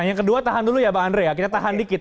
yang kedua tahan dulu ya bang andre ya kita tahan dikit